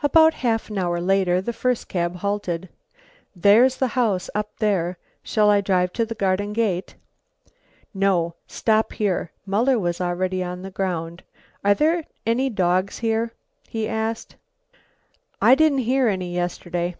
About half an hour later the first cab halted. "There's the house up there. Shall I drive to the garden gate?" "No, stop here." Muller was already on the ground. "Are there any dogs here?" he asked. "I didn't hear any yesterday."